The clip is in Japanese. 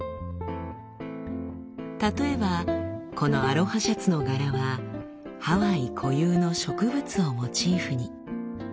例えばこのアロハシャツの柄はハワイ固有の植物をモチーフに。